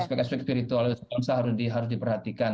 aspek aspek virtualitas bangsa harus diperhatikan